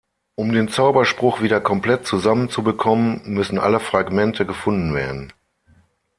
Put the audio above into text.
Um den Zauberspruch wieder komplett zusammenzubekommen, müssen alle Fragmente gefunden werden.